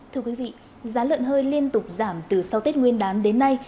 thưa quý vị giá lợn hơi liên tục giảm từ sau tết nguyên đán đến nay